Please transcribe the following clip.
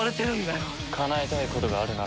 かなえたいことがあるなら戦え。